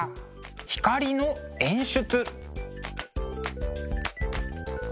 「光の演出」。